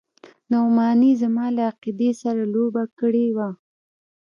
نعماني زما له عقيدې سره لوبه کړې وه.